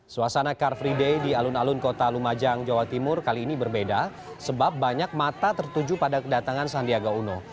suasana car free day di alun alun kota lumajang jawa timur kali ini berbeda sebab banyak mata tertuju pada kedatangan sandiaga uno